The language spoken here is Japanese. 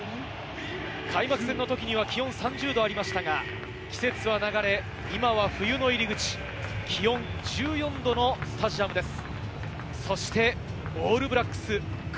開幕戦のときには気温３０度ありましたが、季節は流れ、今は冬の入り口、気温１４度のスタジアムです。